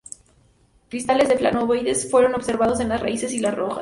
Cristales de flavonoides fueron observados en las raíces y las hojas.